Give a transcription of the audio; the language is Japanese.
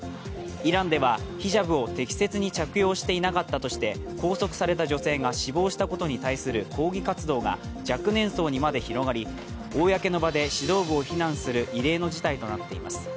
イランではヒジャブを適切に着用していなかったとして拘束された女性が死亡したことに対する抗議活動が若年層にまで広がり、公の場で指導部を非難する異例の事態となっています。